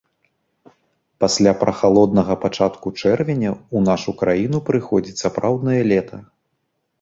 Пасля прахалоднага пачатку чэрвеня ў нашу краіну прыходзіць сапраўднае лета.